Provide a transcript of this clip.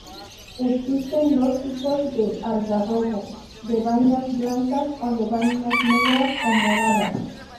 Existen dos tipos de algarrobo, de vainas blancas, o de vainas negras o moradas.